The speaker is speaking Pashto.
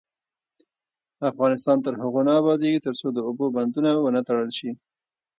افغانستان تر هغو نه ابادیږي، ترڅو د اوبو بندونه ونه تړل شي.